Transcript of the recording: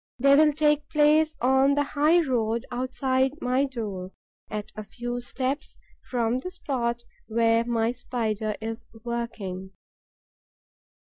They will take place on the high road outside my door, at a few steps from the spot where my Spider is working.